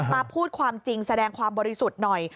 พูดความจริงแสดงความบริสุทธิ์หน่อย